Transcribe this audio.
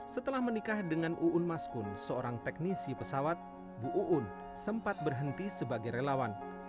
setelah menikah dengan uun maskun seorang teknisi pesawat bu uun sempat berhenti sebagai relawan